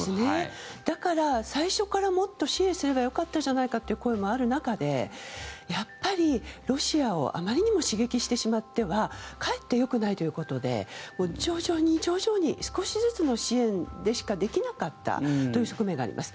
だから、最初からもっと支援すればよかったじゃないかという声もある中でやっぱりロシアをあまりにも刺激してしまってはかえってよくないということで徐々に徐々に少しずつの支援でしかできなかったという側面があります。